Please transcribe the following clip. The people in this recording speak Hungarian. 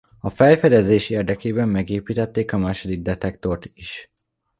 A felfedezés érdekében megépítették a második detektort is.